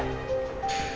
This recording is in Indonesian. terima kasih bu nisa